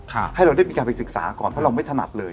ให้เราได้มีการไปศึกษาก่อนเพราะเราไม่ถนัดเลย